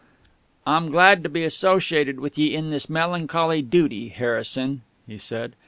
"A'm glad to be associated with ye in this melancholy duty, Harrison," he said.